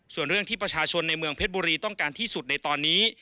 ส่วนเรื่องที่ประชาชนในเมืองเพชรบุรีต้องการที่สุดในตอนนี้